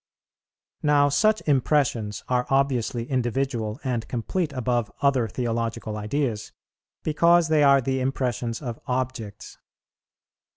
"Now such impressions are obviously individual and complete above other theological ideas, because they are the impressions of Objects.